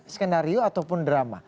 skenario ataupun drama